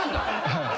はい。